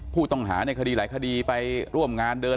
ผู้ต้องหาในคดีหลายคดีไปร่วมงานเดิน